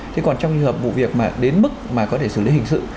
thế còn trong trường hợp vụ việc mà đến mức mà có thể xử lý hình sự